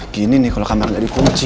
gini nih kalo kamarnya gak dikunci